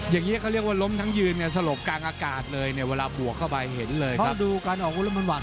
อย่างนี้เขาเรียกว่าล้มทั้งยืนสลบกลางอากาศเลยเนี่ยเวลาบวกเข้าไปเห็นเลยครับ